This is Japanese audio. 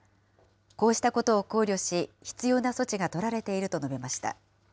こうしたことを考慮し、必要な措置が取られていると述べました。